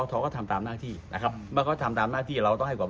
มองว่าเป็นการสกัดท่านหรือเปล่าครับเพราะว่าท่านก็อยู่ในตำแหน่งรองพอบอด้วยในช่วงนี้นะครับ